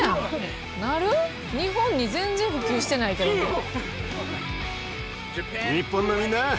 日本に全然普及してないけどね。